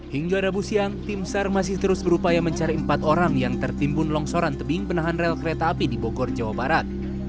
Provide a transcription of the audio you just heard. hingga rabu siang tim sar masih terus berupaya mencari empat orang yang tertimbun longsoran tebing penahan rel kereta api di bogor jawa barat